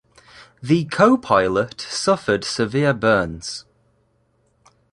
The co-pilot suffered severe burns.